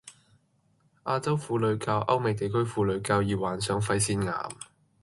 亞洲婦女較歐美地區婦女較易患上肺腺癌